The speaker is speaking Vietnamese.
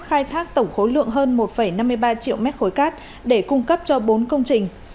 khai thác tổng khối lượng hơn một năm mươi ba triệu mét khối cát để cung cấp cho bốn công trình